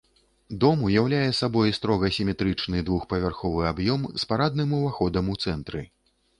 Дом уяўляе сабой строга сіметрычны двухпавярховы аб'ём з парадным уваходам у цэнтры.